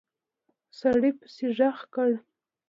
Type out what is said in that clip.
سړي پسې غږ کړ!